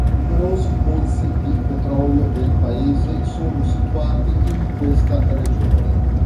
Numerosi pozzi di petrolio del Paese sono situati in questa regione.